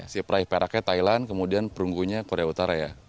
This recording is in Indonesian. si peraih peraknya thailand kemudian perunggunya korea utara ya